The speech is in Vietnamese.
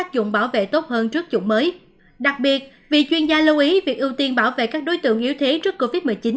đặc biệt vị chuyên gia lưu ý việc ưu tiên bảo vệ các đối tượng yếu thế trước covid một mươi chín